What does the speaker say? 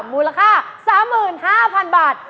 มูลค่า๓๕๐๐๐บาท